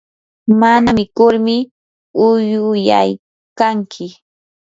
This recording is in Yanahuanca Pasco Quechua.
mana mikurmi uyuyaykanki.